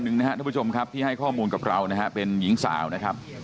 คนหนึ่งท่านผู้ชมที่ให้ข้อมูลกับเราเป็นหญิงสาวนะครับ